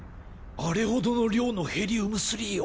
あれほどの量のヘリウム３を。